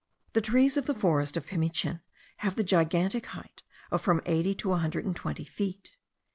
The trees of the forest of Pimichin have the gigantic height of from eighty to a hundred and twenty feet.